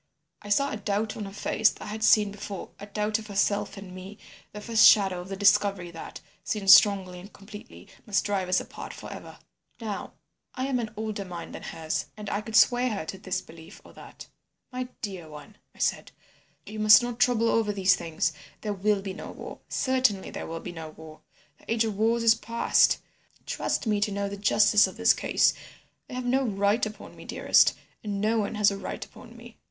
"I saw a doubt on her face that I had seen before, a doubt of herself and me, the first shadow of the discovery that, seen strongly and completely, must drive us apart for ever. "Now, I was an older mind than hers, and I could sway her to this belief or that. "'My dear one,' I said, 'you must not trouble over these things. There will be no war. Certainly there will be no war. The age of wars is past. Trust me to know the justice of this case. They have no right upon me, dearest, and no one has a right upon me.